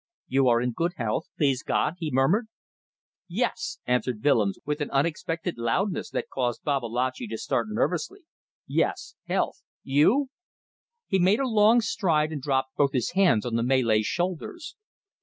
"You are in good health, please God?" he murmured. "Yes!" answered Willems, with an unexpected loudness that caused Babalatchi to start nervously. "Yes! ... Health! ... You ..." He made a long stride and dropped both his hands on the Malay's shoulders.